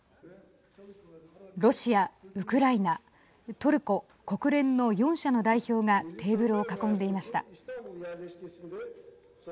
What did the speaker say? ロシア、ウクライナトルコ、国連の４者の代表がテーブルを囲んでいました。